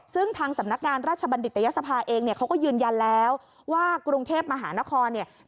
ซึ่งทางสำนักงานราชบัณฑิตยศภาเองเนี่ยเขาก็ยืนยันแล้วว่ากรุงเทพมหานครเนี่ย